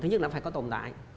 thứ nhất là phải có tồn tại